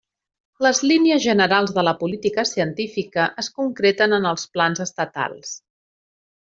Les línies generals de la política científica es concreten en els plans estatals.